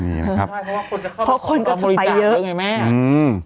นี่นะครับเพราะว่าคนจะเข้ามาพอรอบริจาคเวิงไอ้แม่อืม